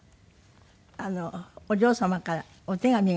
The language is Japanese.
お嬢様からお手紙が。